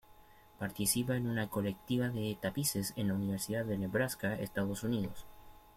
Participa en una colectiva de tapices en la Universidad de Nebraska, Estados Unidos.